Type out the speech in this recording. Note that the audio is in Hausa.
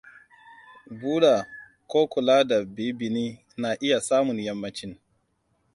buda ko kula da bibini na iya samun yammacin.